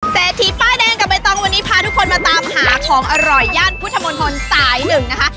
เศรษฐีป้ายแดงกับใบตองวันนี้พาทุกคนมาตามหาของอร่อยย่านพุทธมนตรสายหนึ่งนะคะ